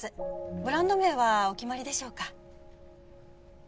ブランド名はお決まりでしょうか？